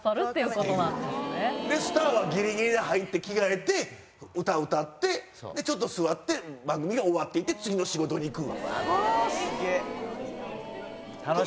スターはギリギリに入って着替えて歌歌ってちょっと座って番組が終わっていって次の仕事に行く。